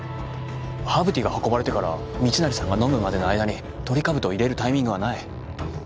ハーブティーが運ばれてから密成さんが飲むまでの間にトリカブトを入れるタイミングはない。